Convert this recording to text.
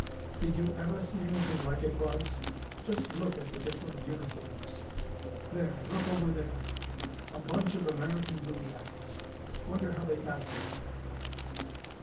"Did you ever see anything like it, Buzz? Just look at the different uniforms. There look over there! A bunch of American Blue Jackets. Wonder how they got here?"